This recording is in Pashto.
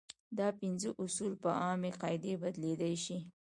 دا پنځه اصول په عامې قاعدې بدلېدلی شي.